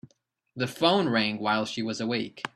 The phone rang while she was awake.